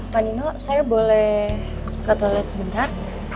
panino saya boleh ke toilet sebentar